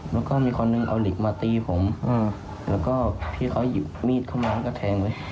แล้วก็มีคนหนึ่งเอาเด็กมาตีผมแล้วก็ที่เขาหยิบมีดเข้ามาแล้วก็แทงไว้